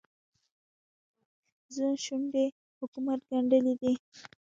زموږ شونډې حکومت ګنډلې دي.